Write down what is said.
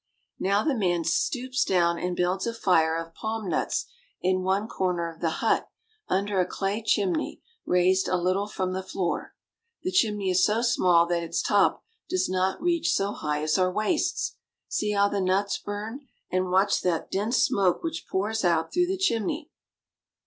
Now the man stoops down and builds a fire of palm nuts in one corner of the hut under a clay chimney raised a little from the floor. The chimney is so small that its RUBBER. 319 top does not reach so high as our waists. See how the nuts burn, and watch that dense smoke which pours out through the chimney.